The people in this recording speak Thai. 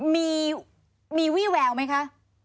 มีวี่แววไหมคะ